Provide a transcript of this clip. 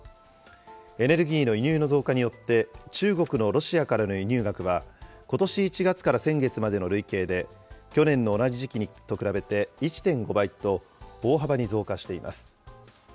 エネルギーの輸入の増加によって、中国のロシアからの輸入額は、ことし１月から先月までの累計で、去年の同じ時期と比べて１．５倍と、大幅に増加しています。